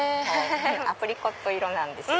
アプリコット色なんですよ。